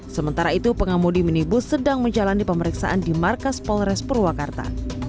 sementara itu pengemudi minibus sedang menjalani pemeriksaan di markas polres purwakarta